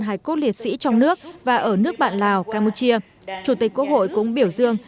hải cốt liệt sĩ trong nước và ở nước bạn lào campuchia chủ tịch quốc hội cũng biểu dương